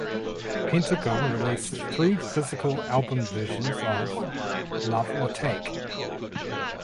Pentagon released three physical album versions of "Love or Take".